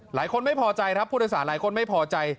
หลายคนไม่พอใจครับผู้โดยสารหลายคนไม่พอใจ